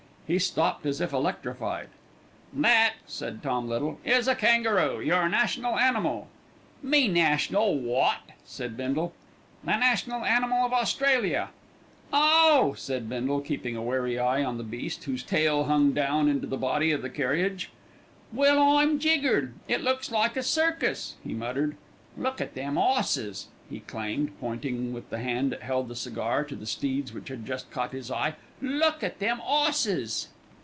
He stopped as if electrified. "That," said Tom Little, "is a kangaroo. Your national animal." "Me national wot?" said Bindle. "The national animal of Australia." "Oh!" said Bindle, keeping a wary eye on the beast, whose tail hung down into the body of the carriage. "Well, I'm jiggered! It looks like a circus," he muttered. "Look at them 'osses!" he exclaimed, pointing with the hand that held the cigar to the steeds which had just caught his eye. "Look at them 'osses!"